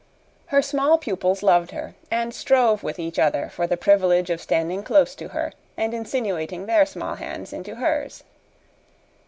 Her small pupils loved her, and strove with each other for the privilege of standing close to her and insinuating their small hands into hers.